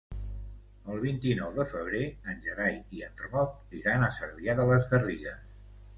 El vint-i-nou de febrer en Gerai i en Roc iran a Cervià de les Garrigues.